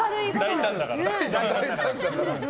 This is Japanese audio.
大胆だから。